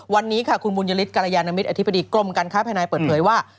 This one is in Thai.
วันนี้ค่ะคุณบุญยฤทธกรยานมิตรอธิบดีกรมการค้าภายในเปิดเผยว่า